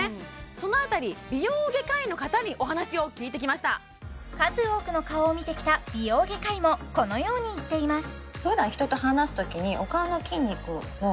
その辺り美容外科医の方にお話を聞いてきました数多くの顔を見てきた美容外科医もこのように言っています